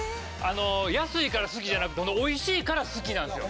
安いから好きじゃなくておいしいから好きなんですよ。